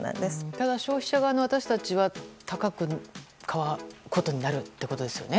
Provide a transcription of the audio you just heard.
ただ消費者側の私たちは高くなるということですよね。